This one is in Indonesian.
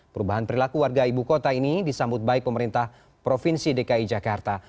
perubahan perilaku warga ibu kota ini disambut baik pemerintah provinsi dki jakarta